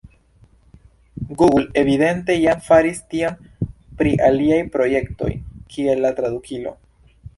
Google evidente jam faris tion pri aliaj projektoj, kiel la tradukilo.